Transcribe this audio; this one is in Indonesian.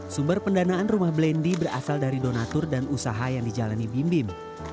sumber pendanaan rumah blendy berasal dari donatur dan usaha yang dijalani bim bim